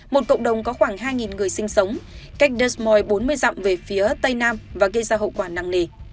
một cộng đồng có khoảng hai người sinh sống cách desmoy bốn mươi dặm về phía tây nam và gây ra hậu quả nặng nề